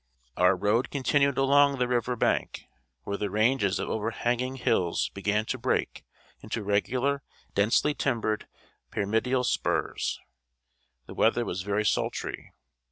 Our road continued along the river bank, where the ranges of overhanging hills began to break into regular, densely timbered, pyramidal spurs. The weather was very sultry.